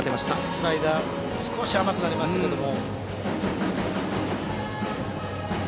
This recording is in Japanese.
スライダーが少し甘く入りましたけども。